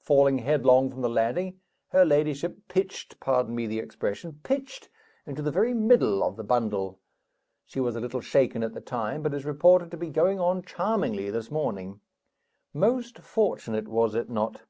Falling headlong from the landing, her ladyship pitched (pardon me the expression) pitched into the very middle of the bundle. She was a little shaken at the time, but is reported to be going on charmingly this morning. Most fortunate, was it not?